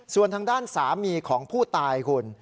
ส่วนทางด้านสามีของผู้ตายคุณ